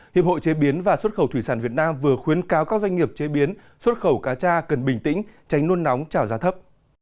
hiệp hội chế biến và xuất khẩu thủy sản việt nam vừa khuyến cáo các doanh nghiệp chế biến xuất khẩu cá cha cần bình tĩnh tránh nôn nóng trảo giá thấp